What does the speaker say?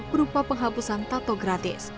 berupa penghapusan tato gratis